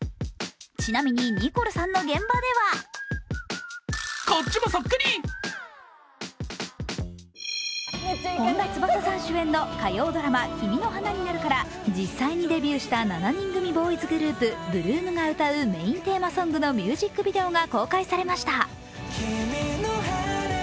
ちなみにニコルさんの現場では本田翼さん主演の火曜ドラマ「君の花になる」から実際にデビューした７人組ボーイズグループ８ＬＯＯＭが歌うメインテーマソングのミュージックビデオが公開されました。